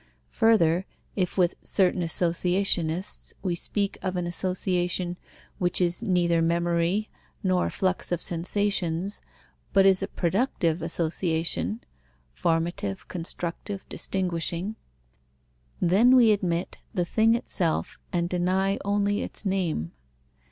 Further, if with certain associationists we speak of an association which is neither memory nor flux of sensations, but is a productive association (formative, constructive, distinguishing); then we admit the thing itself and deny only its name.